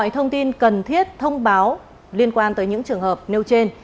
thông tin cần thiết thông báo liên quan tới những trường hợp nêu trên